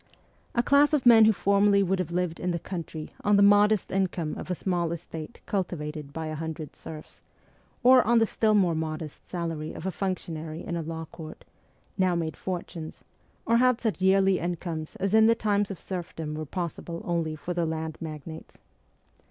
A class of men who formerly would have lived in the country on the modest income of a small estate cultivated by a hundred serfs, or on the still more modest salary of a functionary in a law court, now made fortunes, or had such yearly incomes as in the times of serfdom were possible only for the land magnates.